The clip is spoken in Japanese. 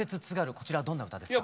こちらどんな歌ですか？